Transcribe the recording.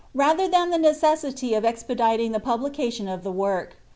rather than the necessity of expediting the publication of the work.